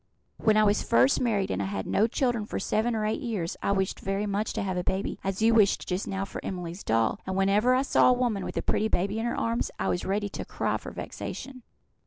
When I was first married I had no children for seven or eight years; I wished very much to have a baby, as you wished just now for Emily's doll; and whenever I saw a woman with a pretty baby in her arms, I was ready to cry for vexation."